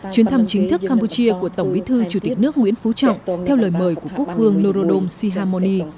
chuyến thăm chính thức campuchia của tổng bí thư chủ tịch nước nguyễn phú trọng theo lời mời của quốc vương norodom sihamoni